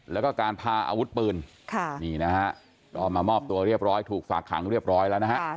แล้วก็การพาอาวุธปืนนี่นะฮะก็มามอบตัวเรียบร้อยถูกฝากขังเรียบร้อยแล้วนะฮะ